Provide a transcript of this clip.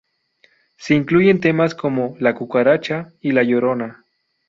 Se incluyeron temas como "La Cucaracha" y "La Llorona".